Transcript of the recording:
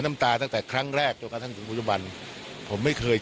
น้ำตาตั้งแต่ครั้งแรกจนกระทั่งถึงปัจจุบันผมไม่เคย